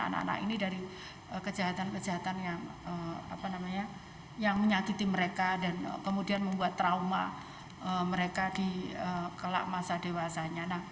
anak anak ini dari kejahatan kejahatan yang menyakiti mereka dan kemudian membuat trauma mereka di kelak masa dewasanya